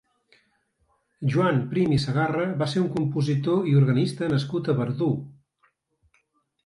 Joan Prim i Segarra va ser un compositor i organista nascut a Verdú.